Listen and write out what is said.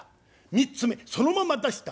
３つ目そのまま出した。